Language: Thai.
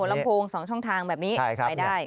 ลำโพง๒ช่องทางแบบนี้ไปได้